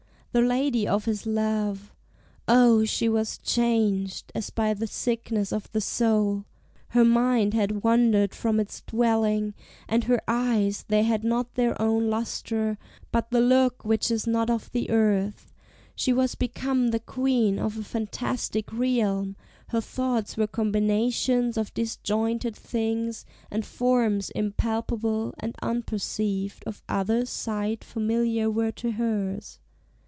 The lady of his love; O, she was changed, As by the sickness of the soul! her mind Had wandered from its dwelling, and her eyes, They had not their own lustre, but the look Which is not of the earth; she was become The queen of a fantastic realm; her thoughts Were combinations of disjointed things, And forms impalpable and unperceived Of others' sight familiar were to hers.